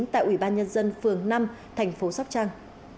hai nghìn một mươi chín tại ủy ban nhân dân phường năm thành phố sóc trăng